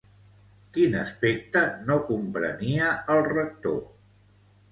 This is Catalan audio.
Quin aspecte no comprenia el Rector?